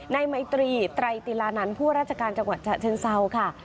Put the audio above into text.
ไมตรีไตรติลานันต์ผู้ราชการจังหวัดฉะเชิงเซาค่ะ